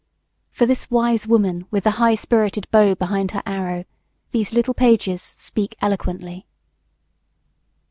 For this wise woman with the high spirited bow behind her arrow, these little pages speak eloquently.